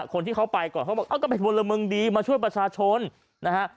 คนที่เขาไปก่อนเขาบอกเอ้าก็เป็นพลเมืองดีมาช่วยประชาชนนะฮะ